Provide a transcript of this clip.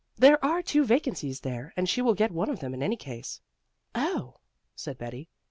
There are two vacancies there, and she will get one of them in any case." "Oh!" said Betty.